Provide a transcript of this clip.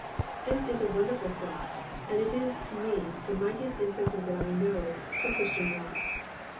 This is a wonderful thought and it is to me the mightiest incentive that I know to a Christian walk.